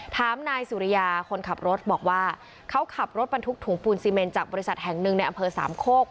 ถามนายสุริยาคนขับรถบอกว่าเขาขับรถบรรทุกถุงปูนซีเมนจากบริษัทแห่งหนึ่งในอำเภอสามโคก